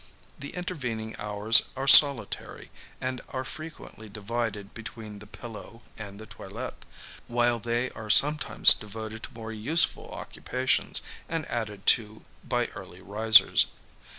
The intervening hours are solitary, and are frequently divided between the pillow and the toilette; while they are sometimes devoted to more useful occupations, and added to by earlier risers.